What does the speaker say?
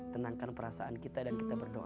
tenangkan perasaan kita dan kita berdoa